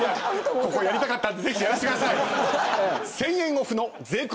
ここやりたかったんでぜひやらせてください。